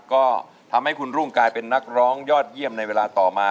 ก็ทำให้คุณรุ่งกลายเป็นนักร้องยอดเยี่ยมในเวลาต่อมา